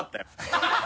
ハハハ